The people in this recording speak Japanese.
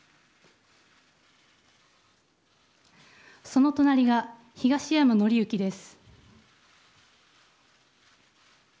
その隣が東山紀之です。